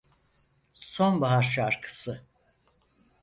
Sonbahar şarkısı!